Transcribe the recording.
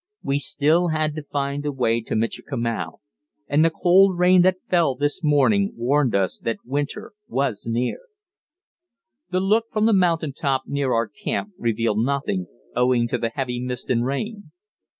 We still had to find the way to Michikamau, and the cold rain that fell this morning warned us that winter was near. The look from the mountain top near our camp revealed nothing, owing to the heavy mist and rain.